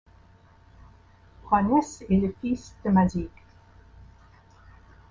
Branès est le fils de Mazigh.